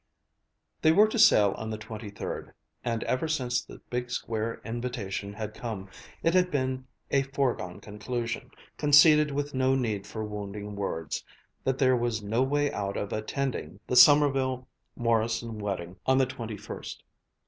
They were to sail on the 23d, and ever since the big square invitation had come it had been a foregone conclusion, conceded with no need for wounding words, that there was no way out of attending the Sommerville Morrison wedding on the 21st.